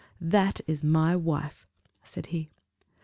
"That is my wife," said he.